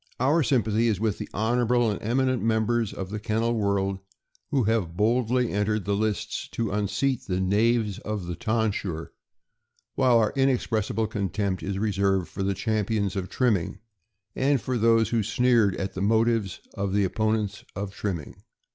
Our sympathy is with the honorable and eminent mem bers of the kennel world who have boldly entered the lists to unseat the knaves of the tonsure; while our inexpressible contempt is reserved for the champions of trimming, and for those who sneered at the motives of the opponents of trim ming.